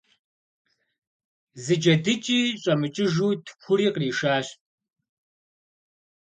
Зы джэдыкӀи щӀэмыкӀыжу тхури къришащ.